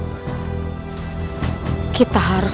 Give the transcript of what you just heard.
menyesakan manusia yang hidup